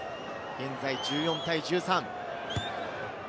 現在１４対１３。